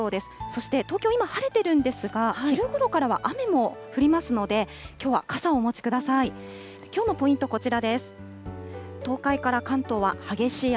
そして東京、今晴れているんですが、昼ごろからは雨も降りますので、きょうは傘をお持ちください。